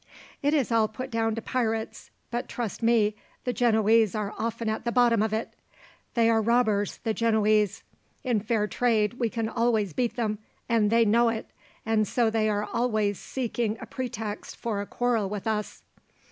"It is all put down to pirates; but trust me, the Genoese are often at the bottom of it. They are robbers, the Genoese. In fair trade we can always beat them, and they know it, and so they are always seeking a pretext for a quarrel with us."